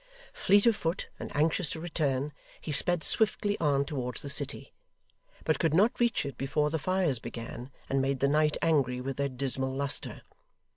Fleet of foot, and anxious to return, he sped swiftly on towards the city, but could not reach it before the fires began, and made the night angry with their dismal lustre.